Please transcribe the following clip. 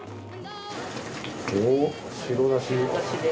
おっ白だし。